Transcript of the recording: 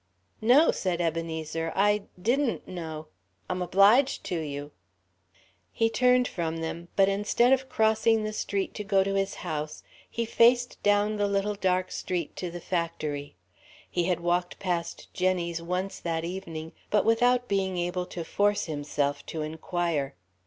"No," said Ebenezer, "I didn't know. I'm obliged to you." He turned from them, but instead of crossing the street to go to his house, he faced down the little dark street to the factory. He had walked past Jenny's once that evening, but without being able to force himself to inquire.